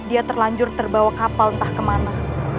dia terlanjur terbawa kapal entah kemana